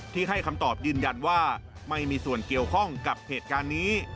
ให้คำตอบยืนยันว่าไม่มีส่วนเกี่ยวข้องกับเหตุการณ์นี้